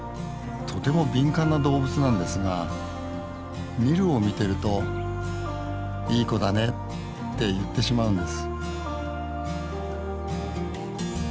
とても敏感な動物なんですがニルを見てると「いい子だね」って言ってしまうんです